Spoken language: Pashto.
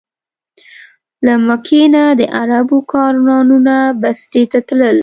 له مکې نه د عربو کاروانونه بصرې ته تلل.